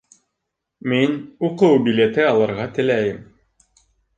Мин уҡыу билеты алырға теләйем